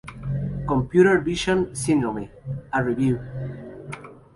Computer vision syndrome: A review.